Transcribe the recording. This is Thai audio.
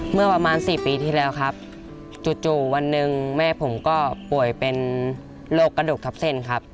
เมื่อประมาณ๔ปีที่แล้วครับจู่วันหนึ่งแม่ผมก็ป่วยเป็นโรคกระดูกทับเส้นครับ